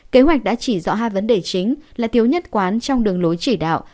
kế hoạch đã chỉ rõ hai vấn đề chính là thiếu nhất quán trong đường lối chỉ đạo